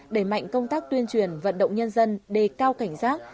đẩy mạnh công tác tuyên truyền vận động nhân dân đề cao cảnh giác